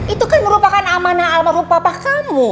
itu kan merupakan amanah almarhum bapak kamu